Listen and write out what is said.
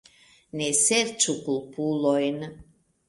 Ne serĉu kulpulojn.